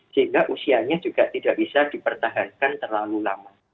sehingga usianya juga tidak bisa dipertahankan terlalu lama